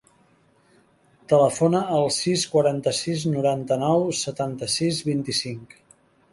Telefona al sis, quaranta-sis, noranta-nou, setanta-sis, vint-i-cinc.